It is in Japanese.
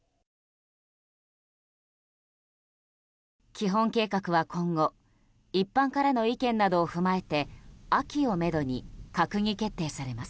基本計画は、今後一般からの意見などを踏まえて秋をめどに閣議決定されます。